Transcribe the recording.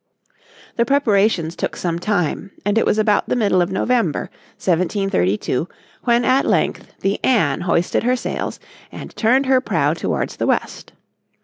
The preparations took some time, and it was about the middle of November, 1732, when at length the Anne hoisted her sails and turned her prow towards the west.